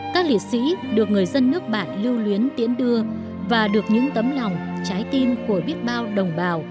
các liệt sĩ được người dân nước bạn lưu luyến tiễn đưa và được những tấm lòng trái tim của biết bao đồng bào